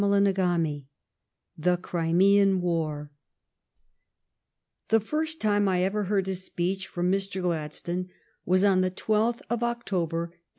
CHAPTER XVI THE CRIMEAN WAR The first time I ever heard a speech from Mr. Gladstone was on the twelfth of October, 1853.